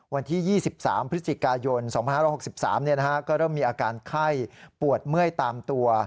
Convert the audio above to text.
วันที่๒๓พฤศจิกายน๒๕๖๓ก็เริ่มมีอาการไข้ปวดเมื่อยตามตัว